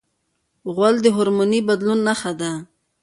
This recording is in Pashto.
غول د هورموني بدلون نښه ده.